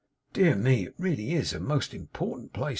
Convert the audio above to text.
'Dear me! It's really a most important place!